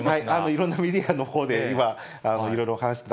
いろんなメディアのほうで、今、いろいろお話を。